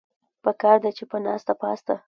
پکار ده چې پۀ ناسته پاسته